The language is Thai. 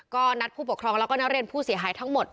ก็นัดผู้ปกครองแล้วก็นักเรียนผู้เสียหายทั้งหมด